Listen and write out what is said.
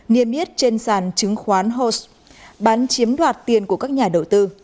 nghiêm yết trên sàn chứng khoán host bán chiếm đoạt tiền của các nhà đầu tư